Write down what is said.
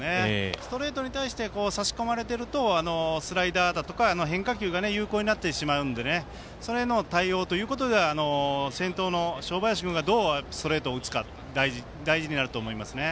ストレートに対して差し込まれているとスライダーだとか変化球が有効になってしまうのでそれへの対応ということでは先頭の正林がどうストレートを打つか大事になると思いますね。